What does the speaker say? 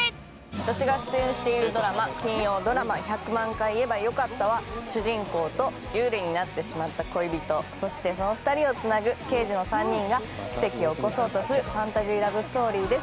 私が出演している金曜ドラマ「１００万回言えばよかった」は主人公と幽霊になってしまった恋人そしてその２人をつなぐ刑事の３人が奇跡を起こそうとするファンタジーラブストーリーです